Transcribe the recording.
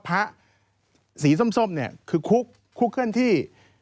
พระสีส้มคือคุกเคลื่อนที่